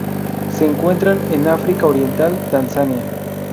Se encuentran en África Oriental: Tanzania.